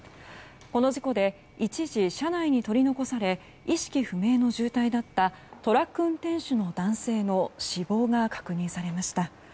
この事故で一時、車内に取り残され意識不明の重体だったトラック運転手の男性の死亡が確認されました。